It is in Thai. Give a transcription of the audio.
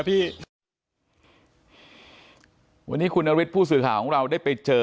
พี่